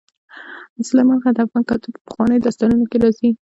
سلیمان غر د افغان کلتور په پخوانیو داستانونو کې راځي.